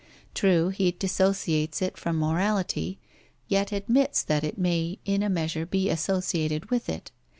True, he disassociates it from morality, yet admits that it may in a measure be associated with it.